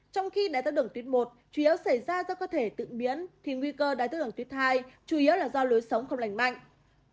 trong khi đáy thái đường tuyết một chủ yếu xảy ra do cơ thể tự biến thì nguy cơ đáy thái đường tuyết hai chủ yếu là do lưới sống không lành mạnh